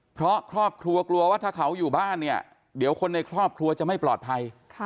เพราะครอบครัวกลัวว่าถ้าเขาอยู่บ้านเนี่ยเดี๋ยวคนในครอบครัวจะไม่ปลอดภัย